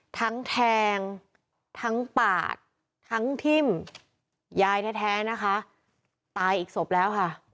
ทั้งแทงทั้งปาดทั้งทิ่มยายแท้นะคะตายอีกศพแล้วค่ะ